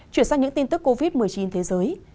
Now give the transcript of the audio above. chuyển sang những tin tức covid một mươi chín thế giới